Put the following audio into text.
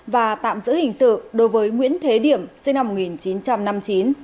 và tạm giữ hình sự đối với nguyễn thế điểm sinh năm một nghìn chín trăm năm mươi chín